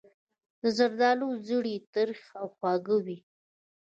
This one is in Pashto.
د زردالو زړې تریخ او خوږ وي.